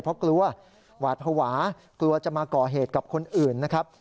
เพราะกลัวหวาดภาวะกลัวจะมาก่อเหตุกับคนอื่นนะครับ